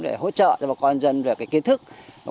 để hỗ trợ cho bà con dân về cái kiến thức